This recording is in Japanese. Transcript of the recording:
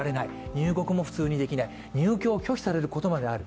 入国も普通にできない入居を拒否される場合もある。